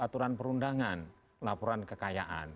aturan perundangan laporan kekayaan